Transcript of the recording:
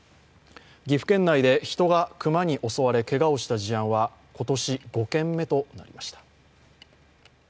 岐阜県内で人が熊に襲われ、けがをした事案は、今年５件目となりました。